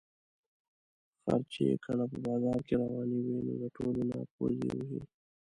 خر چې کله په بازار کې روان وي، نو د ټولو نه پوزې وهي.